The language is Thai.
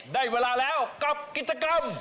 ได้เวลาแล้วกับกิจกรรม